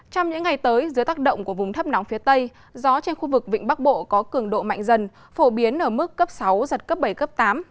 trong những ngày tới dưới tác động của vùng thấp nóng phía tây gió trên khu vực vịnh bắc bộ có cường độ mạnh dần phổ biến ở mức cấp sáu giật cấp bảy cấp tám